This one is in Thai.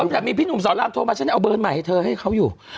ตั้งแต่มีพี่หนุ่มสอนรามโทรมาฉันยังเอาเบอร์ใหม่ให้เธอให้เขาอยู่